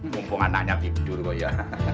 mumpung anaknya tidur pak ya